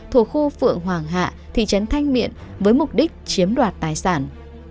thổ khô phượng hoàng hạ thị trấn thanh miện với mục đích chiếm đoạt tài sản